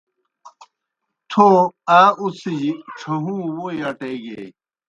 تھو آ اُڅِھجیْ ڇھہُوں ووئی اٹیگیئی۔